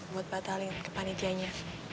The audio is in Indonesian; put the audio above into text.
buat batalin kepanitianya